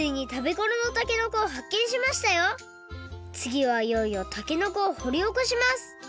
つぎはいよいよたけのこをほりおこします！